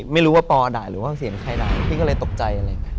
ไม่รู้ว่าปด่าหรือว่าเสียงใครด่าพี่ก็เลยตกใจ